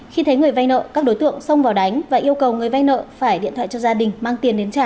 khi thấy người vay nợ các đối tượng xông vào đánh và yêu cầu người vay nợ phải điện thoại cho gia đình mang tiền đến trả